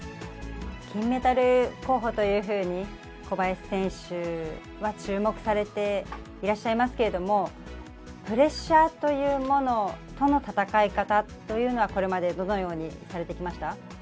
金メダル候補というふうに、小林選手は注目されていらっしゃいますけれども、プレッシャーというものとの戦い方というのは、これまでどのようにされてきました？